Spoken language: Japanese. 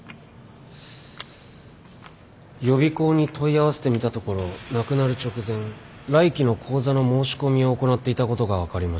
予備校に問い合わせてみたところ亡くなる直前来期の講座の申し込みを行っていたことが分かりました。